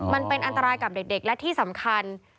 มันเป็นอันตรายกับเด็กและที่สำคัญ